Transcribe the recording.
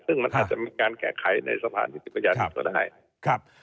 ซึ่งมันอาจจะมีการแกะไขในสะพานิติประหยัดก็ได้